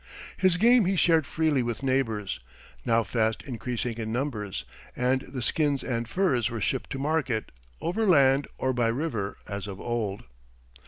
His game he shared freely with neighbors, now fast increasing in numbers, and the skins and furs were shipped to market, overland or by river, as of old.